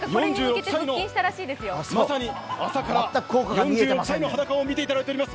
まさに朝から４６の裸を見ていただいています。